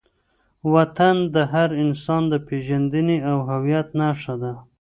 وطن د هر انسان د پېژندنې او هویت نښه ده.